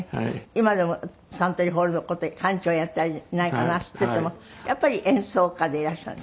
今でもサントリーホールの事で館長やったり何かなすっていてもやっぱり演奏家でいらっしゃる。